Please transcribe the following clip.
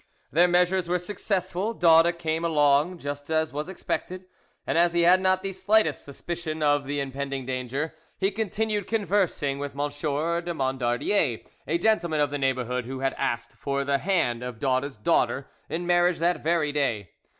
Their measures were successful: Daude came along just as was expected, and as he had not the slightest suspicion of the impending danger, he continued conversing with M. de Mondardier, a gentleman of the neighbourhood who had asked for the; hand of Daude's daughter in marriage that very day.